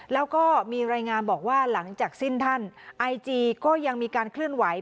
แล้วก็มีรายงานบอกว่าหลังจากสิ้นท่านไอจีก็ยังมีการเคลื่อนไหว